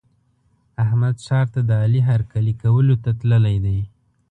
احمد ښار ته د علي هرکلي کولو ته تللی دی.